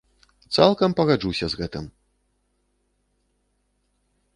Цалкам пагаджуся з гэтым.